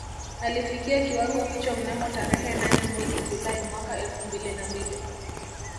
Alifikia kiwango hicho mnamo tarehe nane mwezi Julai mwaka elfu mbili na mbili